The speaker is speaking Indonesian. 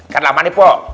kan lama nih pak